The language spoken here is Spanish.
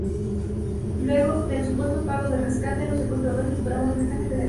Luego del supuesto pago de rescate, los secuestradores esperaban un mensaje telegráfico.